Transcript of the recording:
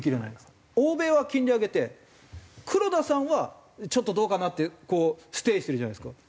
欧米は金利を上げて黒田さんはちょっとどうかな？ってこうステイしてるじゃないですか。